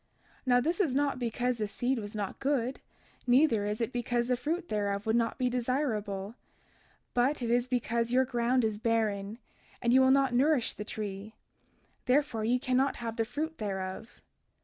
32:39 Now, this is not because the seed was not good, neither is it because the fruit thereof would not be desirable; but it is because your ground is barren, and ye will not nourish the tree, therefore ye cannot have the fruit thereof.